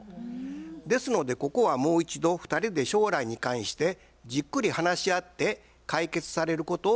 ですのでここはもう一度２人で将来に関してじっくり話し合って解決されることをおすすめいたします。